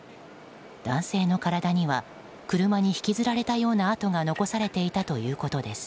男性の体には車に引きずられたような痕が残されていたということです。